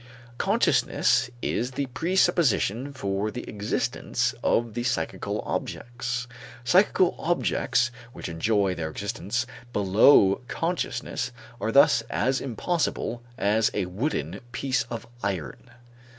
Consciousness is the presupposition for the existence of the psychical objects. Psychical objects which enjoy their existence below consciousness are thus as impossible as a wooden piece of iron.